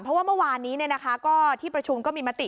เพราะว่าเมื่อวานนี้ที่ประชุมก็มีมติ